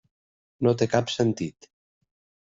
No té cap sentit.